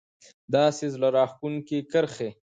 داسې زړه راښکونکې کرښې